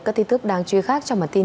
các tin tức đáng chú ý khác trong bản tin